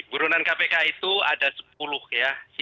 burunan kpk itu ada sepuluh ya